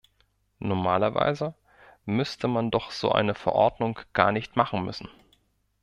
Normalerweise müsste man doch so eine Verordnung gar nicht machen müssen.